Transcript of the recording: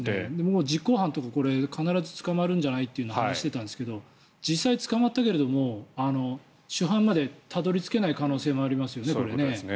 実行犯とか必ず捕まるんじゃないという話をしてましたが実際、捕まったけど主犯までたどり着けない可能性がありますよね。